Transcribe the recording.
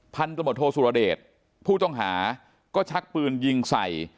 พันธบทโทสุรเดชผู้ต้องหาก็ชักปืนยิงใส่